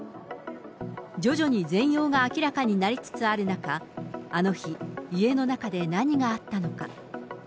徐々に全容が明らかになりつつある中、あの日、家の中で何があったのか。